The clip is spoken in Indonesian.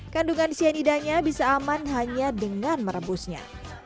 kandungan cyanidanya bisa aman hanya dengan merebusnya